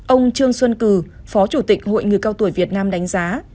ông trương xuân cừ phó chủ tịch hội người cao tuổi việt nam đánh giá